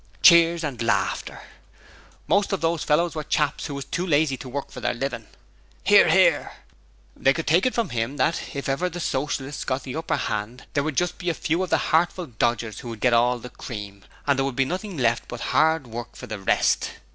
(Cheers and laughter.) Most of those fellows were chaps who was too lazy to work for their livin'. (Hear, hear.) They could take it from him that, if ever the Socialists got the upper hand there would just be a few of the hartful dodgers who would get all the cream, and there would be nothing left but 'ard work for the rest.